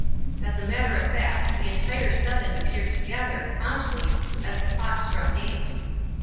As a matter of fact, the entire seven appeared together, promptly, as the clock struck eight.